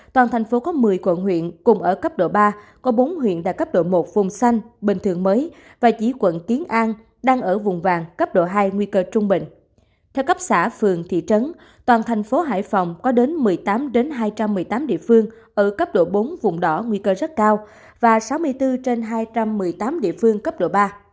theo cấp xã phường thị trấn toàn thành phố hải phòng có đến một mươi tám hai trăm một mươi tám địa phương ở cấp độ bốn vùng đỏ nguy cơ rất cao và sáu mươi bốn hai trăm một mươi tám địa phương cấp độ ba